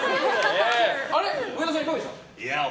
上田さん、いかがでしたか？